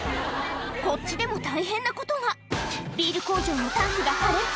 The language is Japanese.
こっちでも大変なことがビール工場のタンクが破裂